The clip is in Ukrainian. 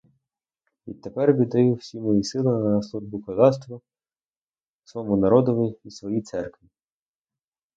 Відтепер віддаю усі мої сили на службу козацтву, свому народові і своїй церкві.